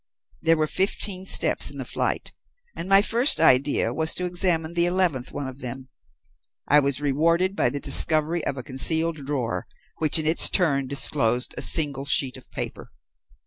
There were fifteen steps in the flight, and my first idea was to examine the eleventh one of them. I was rewarded by the discovery of a concealed drawer, which in its turn disclosed a single sheet of paper.